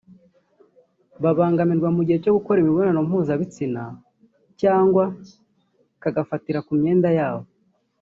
babangamirwa mu gihe cyo gukora imibonano mpuzabitsina cyangwa kagafatira ku myenda yabo